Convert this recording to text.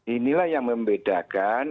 inilah yang membedakan